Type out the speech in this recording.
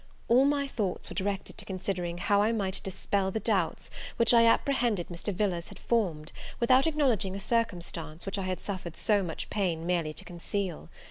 All my thoughts were directed to considering how I might dispel the doubts which I apprehended Mr. Villars had formed, without acknowledging a circumstance which I had suffered so much pain merely to conceal.